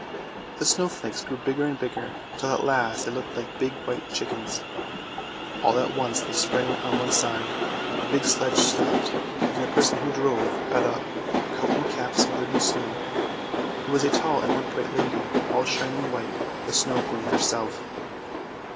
The snow flakes grew bigger and bigger, till at last they looked like big white chickens. All at once they sprang on one side, the big sledge stopped, and the person who drove got up, coat and cap smothered in snow. It was a tall and upright lady all shining white, the Snow Queen herself.